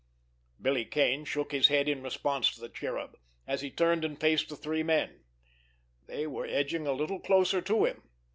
Billy Kane shook his head in response to the Cherub, as he turned and faced the three men. They were edging a little closer to him.